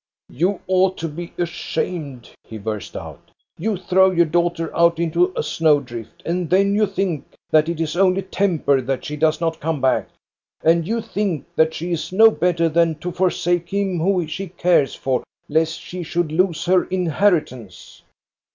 " You ought to be ashamed !" he burst out. " You throw your daughter out into a snow drift, and then you think that it is only temper that she does not come back. And you think that she is no better than to forsake him whom she cares for, lest she should lose her inheritance."